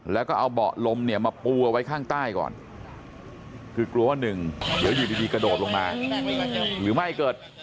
แล้วก็เอาเบาะลมเนี่ยมาปูเอาไว้ข้างใต้ก่อนคือกลัวว่าหนึ่งเดี๋ยวอยู่ดีกระโดดลงมาหรือไม่เกิด